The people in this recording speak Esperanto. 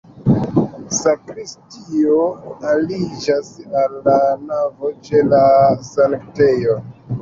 Sakristio aliĝas al la navo ĉe la sanktejo.